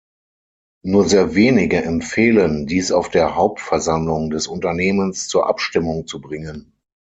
Nur sehr wenige empfehlen, dies auf der Hauptversammlung des Unternehmens zur Abstimmung zu bringen.